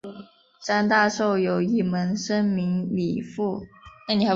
张大受的有一门生名李绂。